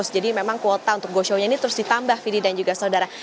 memang kuota untuk go shownya ini terus ditambah fidi dan juga saudara